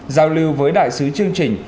giao lưu với đại sứ chương trình